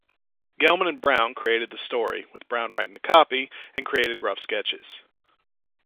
Gelman and Brown created the story-with Brown writing the copy-and created rough sketches.